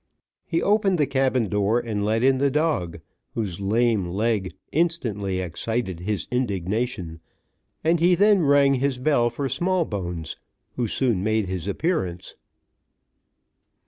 He opened the cabin door, and let in the dog, whose lame leg instantly excited his indignation, and he then rang his bell for Smallbones, who soon made his appearance.